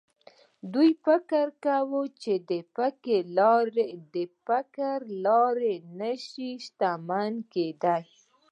دوی فکر کوي چې د فکري لارې نه شي شتمن کېدای.